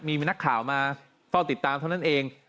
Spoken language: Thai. มีนักข่าวมาเฝ้าติดตามเท่านั้นเอง